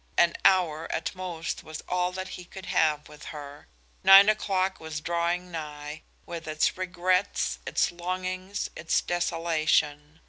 An hour at most was all that he could have with her. Nine o'clock was drawing nigh with its regrets, its longings, its desolation.